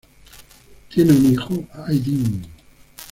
Tienen un hijo Aydin.